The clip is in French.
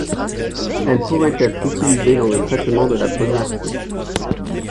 Elle pourrait être utilisée dans le traitement de la polyarthrite.